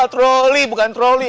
pak troli bukan troli